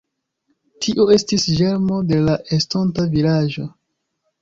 Tio estis ĝermo de la estonta vilaĝo.